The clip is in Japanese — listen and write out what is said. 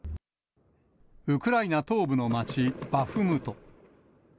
ウクライナ東部の街バフムト。